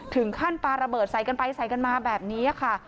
ปลาระเบิดใส่กันไปใส่กันมาแบบนี้ค่ะ